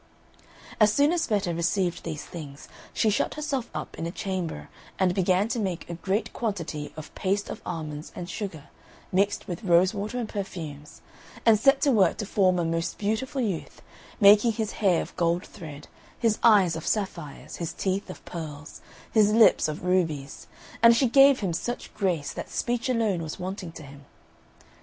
As soon as Betta received these things, she shut herself up in a chamber, and began to make a great quantity of paste of almonds and sugar, mixed with rosewater and perfumes, and set to work to form a most beautiful youth, making his hair of gold thread, his eyes of sapphires, his teeth of pearls, his lips of rubies; and she gave him such grace that speech alone was wanting to him.